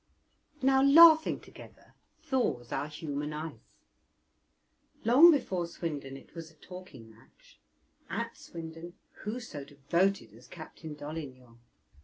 Now laughing together thaws our human ice; long before Swindon it was a talking match; at Swindon who so devoted as Captain Dolignan?